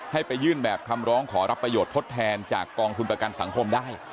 ไปยื่นแบบคำร้องขอรับประโยชน์ทดแทนจากกองทุนประกันสังคมได้